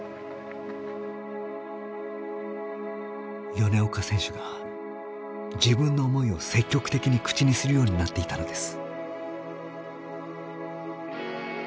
米岡選手が自分の思いを積極的に口にするようになっていたのです。